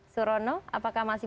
surono apakah masih